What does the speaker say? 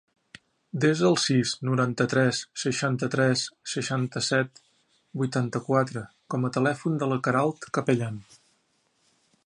Desa el sis, noranta-tres, seixanta-tres, seixanta-set, vuitanta-quatre com a telèfon de la Queralt Capellan.